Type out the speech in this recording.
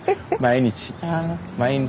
毎日。